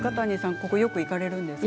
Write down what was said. ここにはよく行かれるんですか。